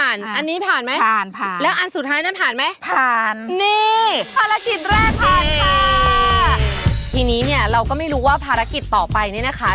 อันนี้ผ่านไหมผ่านแล้วอันสุดท้ายนั้นผ่านไหมผ่านนี่ภารกิจแรกผ่านค่ะทีนี้เนี่ยเราก็ไม่รู้ว่าภารกิจต่อไปเนี่ยนะคะ